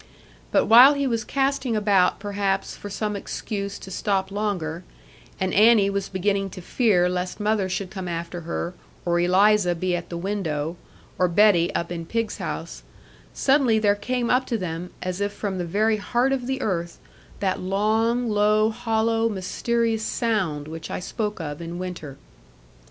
But while he was casting about perhaps for some excuse to stop longer, and Annie was beginning to fear lest mother should come after her, or Eliza be at the window, or Betty up in pigs' house, suddenly there came up to them, as if from the very heart of the earth, that long, low, hollow, mysterious sound which I spoke of in winter.